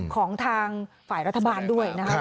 ของทางฝ่ายรัฐบาลด้วยนะครับ